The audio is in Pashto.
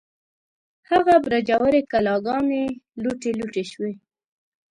هغه برجورې کلاګانې، لوټې لوټې شوې